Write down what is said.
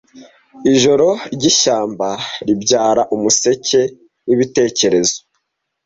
ijoro ryishyamba ribyara umuseke wibitekerezo